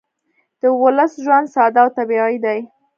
د ولس ژوند ساده او طبیعي دی